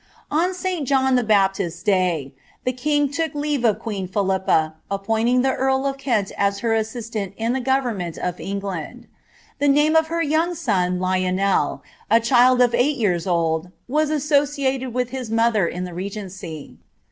^^^p St John the Baptist's day, the king took leate of queen Philippa^ ^^^■ioting the earl of Kent as her assistant in the government of Eng ^^H. The nam* of her young son, Lionel,' a child of eight years old, ^fiSa KMoointed with bis mother in the regency.